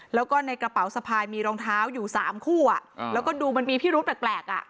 แล้วก็ในกระเป๋าสะพายมีรองเท้าอยู่๓คู่แล้วก็ดูมันมีพิรุธแปลกอ่ะ